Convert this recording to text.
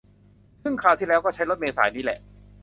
ซึ่งคราวที่แล้วก็ใช้รถเมล์สายนี้แหละ